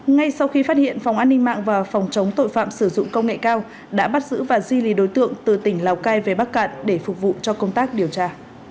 ngay sau khi phát hiện phòng an ninh mạng và phòng chống tội phạm sử dụng công nghệ cao đã bắt giữ và di lý đối tượng từ tỉnh lào cai về bắc cạn để phục vụ cho công tác điều tra